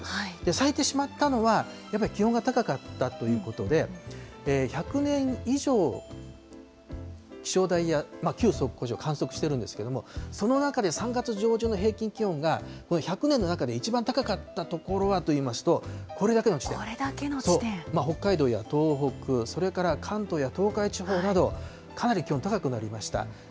咲いてしまったのは、やっぱり気温が高かったということで、１００年以上、気象台や旧測候所、観測してるんですけれども、その中で３月上旬の平均気温が１００年の中で一番高かった所はといいますと、これだけの地点、北海道や東北、それから関東や東海地方など、かなり気温高くなりました。